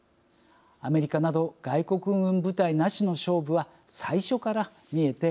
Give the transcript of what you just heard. アメリカなど外国軍部隊なしの勝負は最初から見えていたのです。